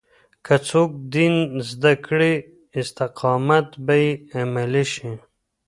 که څوک دين زده کړي، استقامت به يې عملي شي.